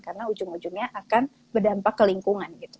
dan itu akan berdampak ke lingkungan gitu